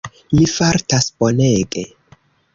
Mi fartas bonege.